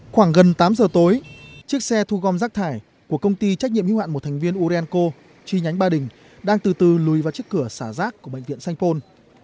khoảng gần tám giờ tối chiếc xe thu gom rác thải của công ty trách nhiệm hữu hạn một thành viên urenco chi nhánh ba đình đang từ từ lùi vào chiếc cửa xả rác của bệnh viện sanh pôn